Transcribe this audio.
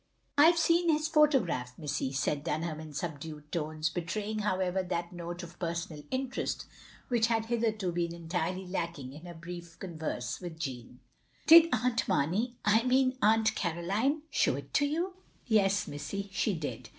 "I've seen his photograph, missy," said Dunham, in subdued tones, betraying, however, that note of personal interest, which had hitherto been entirely lacking in her brief converse with Jeanne. "Did Aunt Mamey — I mean Aunt Caroline — show it to you?*' "Yes, missy, she did."